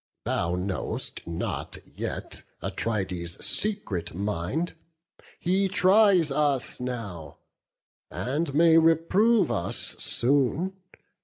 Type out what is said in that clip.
Thou know'st not yet Atrides' secret mind: He tries us now, and may reprove us soon.